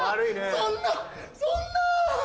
そんなそんな！